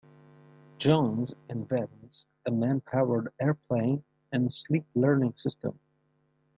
Jones invents a man-powered airplane and a sleep-learning system.